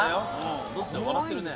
笑ってるね。